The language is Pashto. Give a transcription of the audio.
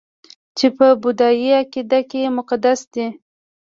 چې په بودايي عقیده کې مقدس دي